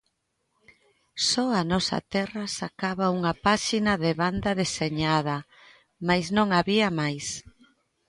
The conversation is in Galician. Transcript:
Só A Nosa Terra sacaba unha páxina de banda deseñada, mais non había máis.